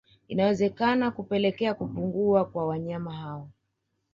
Inaweza kupelekea kupungua kwa wanyama hao